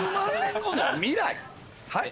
はい？